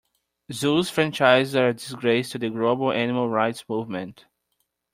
Zoos franchises are a disgrace to the global animal rights movement.